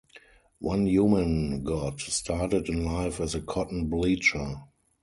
One human god started in life as a cotton-bleacher.